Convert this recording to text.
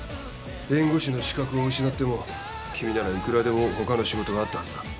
弁護士の資格を失っても君ならいくらでも他の仕事があったはずだ。